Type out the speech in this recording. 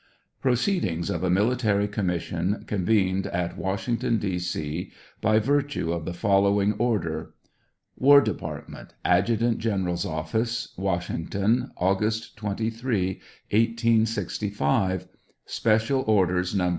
Proceedings of a military commission, convened at Washington, D. C, by vir tue of the following order : War Department, Adjutant General's OrFrcB, Washingto7i, August 23, 1865. [Special Orders No.